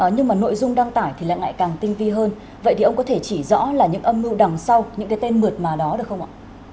nhưng mà nội dung đăng tải thì lại càng tinh vi hơn vậy thì ông có thể chỉ rõ là những âm mưu đằng sau những cái tên mượt mà đó được không ạ